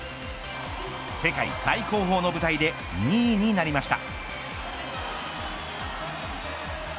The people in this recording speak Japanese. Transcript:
世界最高峰の舞台で２位になりました。